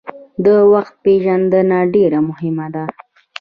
د وخت پېژندنه ډیره مهمه ده.